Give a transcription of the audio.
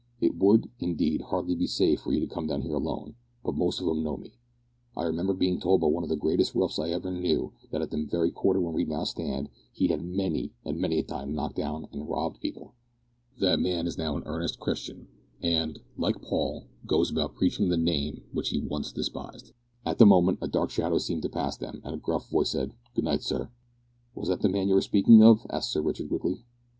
"It would, indeed, hardly be safe were you to come down here alone, but most of 'em know me. I remember being told by one of the greatest roughs I ever knew that at the very corner where we now stand he had many and many a time knocked down and robbed people. That man is now an earnest Christian, and, like Paul, goes about preaching the Name which he once despised." At the moment a dark shadow seemed to pass them, and a gruff voice said, "Good night, sir." "Was that the man you were speaking of?" asked Sir Richard, quickly.